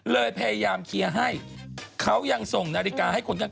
พยายามเคลียร์ให้เขายังส่งนาฬิกาให้คนข้าง